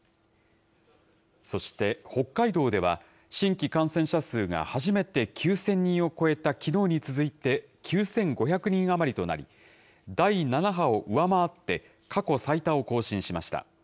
そして北海道では、新規感染者数が初めて９０００人を超えたきのうに続いて９５００人余りとなり、第７波を上回って、過去最多を更新しました。